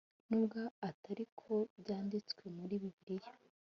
n'ubwo atari ko byanditswe muri bibiliya